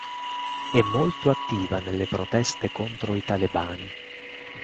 È molto attiva nelle proteste contro i talebani.